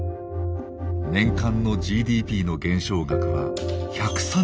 年間のＧＤＰの減少額は１３４兆円。